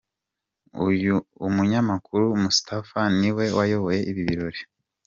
Umunyamakuru Mustaffa ni we wayoboye ibi birori.